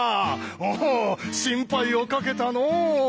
おお心配をかけたのう。